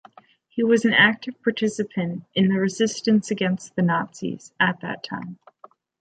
He was an active participant in the resistance against the Nazis at that time.